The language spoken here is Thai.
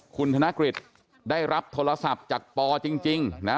คุณธนกฤษได้รับโทรศัพท์จากปอจริงนะ